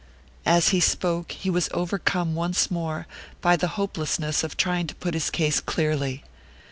As he spoke, he was overcome once more by the hopelessness of trying to put his case clearly.